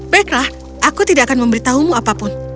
baiklah aku tidak akan memberitahumu apapun